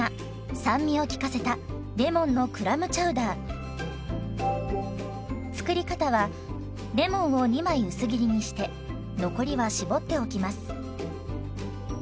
酸味を効かせた作り方はレモンを２枚薄切りにして残りは搾っておきます。